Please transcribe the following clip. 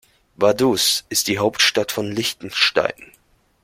Vaduz ist die Hauptstadt von Liechtenstein.